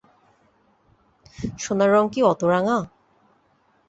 সোনার রং কি অত রাঙা?